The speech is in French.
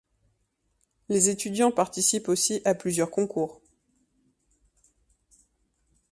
Les étudiants participent aussi à plusieurs concours.